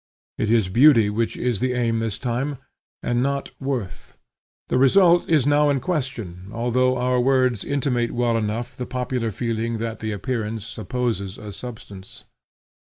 It is beauty which is the aim this time, and not worth. The result is now in question, although our words intimate well enough the popular feeling that the appearance supposes a substance.